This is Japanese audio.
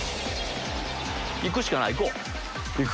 いくしかないい